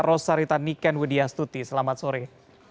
ros sarita niken widya stuti selamat sore